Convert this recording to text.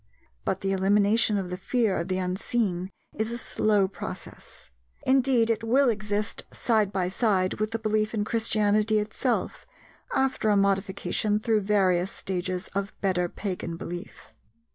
But the elimination of the fear of the unseen is a slow process; indeed, it will exist side by side with the belief in Christianity itself, after a modification through various stages of better pagan belief.